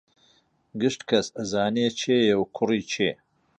گشت کەس ئەزانێ کێیە و کوڕی کێ